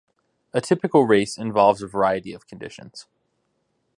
A typical race involves a variety of conditions.